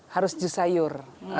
harus jus sayur